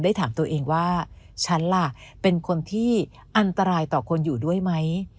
ถามตัวเองว่าฉันล่ะเป็นคนที่อันตรายต่อคนอยู่ด้วยไหม